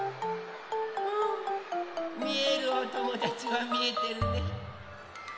みえるおともだちはみえてるね。